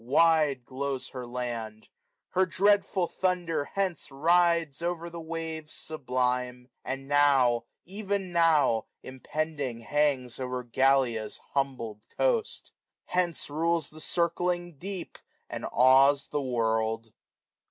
Wide glows her land : her dreadful thunder hence Rides o'er the waves sublime j and now, even now. Impending hangs o'er Gallia's bundled coast ; 430 Hence rules the drcling deep, zod awes the world.